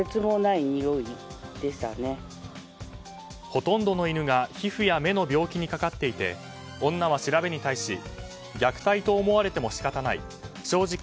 ほとんどの犬が皮膚や目の病気にかかっていて女は調べに対し虐待と思われても仕方ない正直